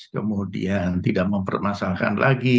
kemudian tidak mempermasalahkan lagi